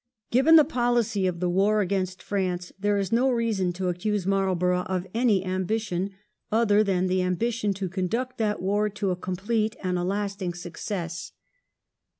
Given the policy of the war against France, there is no reason to accuse Marlborough of any ambition other than the ambition to conduct that war to a complete and a lasting success.